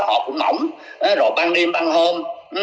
họ cũng mỏng rồi ban đêm ban hôm